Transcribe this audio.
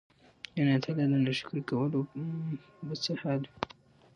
يعني الله تعالی د ناشکري کولو به څه حال وي؟!!.